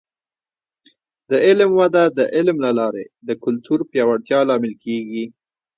د علم وده د علم له لارې د کلتور پیاوړتیا لامل کیږي.